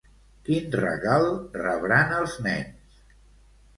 Quin regal rebran els nens?